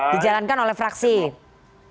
dijalankan oleh fraksi juga